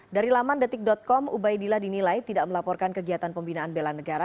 dari laman detik com ubaidillah dinilai tidak melaporkan kegiatan pembinaan bela negara